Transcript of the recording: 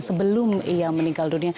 sebelum ia meninggal dunia